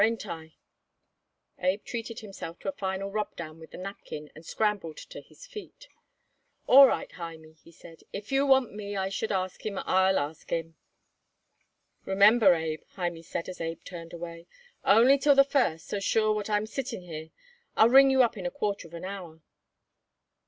Ain't it?" Abe treated himself to a final rubdown with the napkin and scrambled to his feet. "All right, Hymie," he said. "If you want me I should ask him I'll ask him." "Remember, Abe," Hymie said as Abe turned away, "only till the first, so sure what I'm sitting here. I'll ring you up in a quarter of an hour."